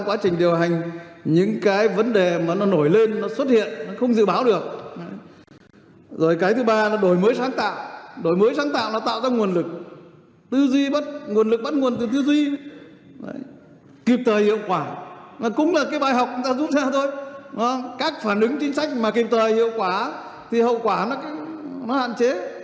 các phản ứng chính sách mà kịp thời hiệu quả thì hậu quả nó hạn chế